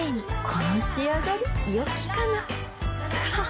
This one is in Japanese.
この仕上がりよきかなははっ